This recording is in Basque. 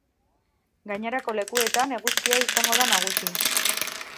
Gainerako lekuetan eguzkia izango da nagusi.